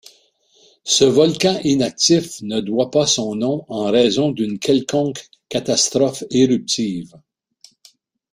Ce volcan inactif ne doit pas son nom en raison d'une quelconque catastrophe éruptive.